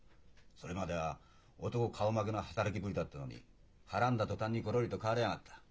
それまでは男顔負けの働きぶりだったのにはらんだ途端にコロリと変わりやがった。